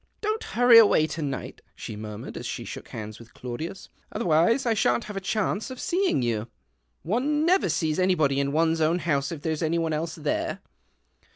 " Don't hurry away to night," she mur mured, as she shook hands with Claudius, ■' otherwise I shan't have a chance of seeing you. One never sees anybody in one's own house if there's any one else there."